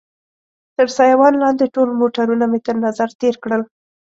تر سایوان لاندې ټول موټرونه مې تر نظر تېر کړل.